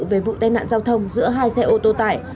về vụ tai nạn giao thông giữa hai xe ô tô tải